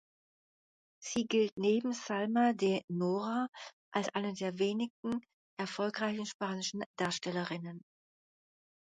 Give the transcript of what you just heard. Sie gilt neben Salma de Nora als eine der wenigen erfolgreichen spanischen Darstellerinnen.